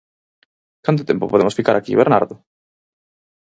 –¿Canto tempo podemos ficar aquí, Bernardo?